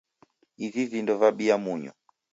Ivi vindo vabiya munyu.